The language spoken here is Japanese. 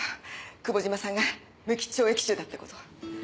久保島さんが無期懲役囚だってこと。